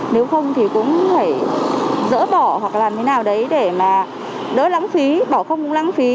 nếu không thì cũng phải dỡ bỏ hoặc làm thế nào đấy để mà đỡ lãng phí bỏ không lãng phí